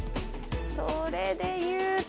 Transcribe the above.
それで言うと。